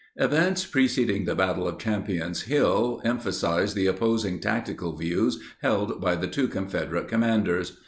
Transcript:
Events preceding the battle of Champion's Hill emphasized the opposing tactical views held by the two Confederate commanders.